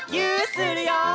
するよ！